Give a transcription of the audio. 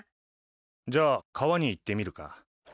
じゃあ川に行ってみるか。